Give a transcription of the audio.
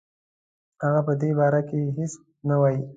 هغه په دې باره کې هیڅ نه وايي.